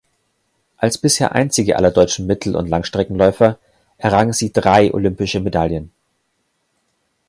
Als bisher einzige aller deutschen Mittel- und Langstreckenläufer errang sie drei olympische Medaillen.